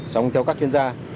xong theo các chuyên gia